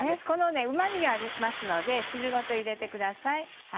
このうま味がありますので汁ごと入れてください。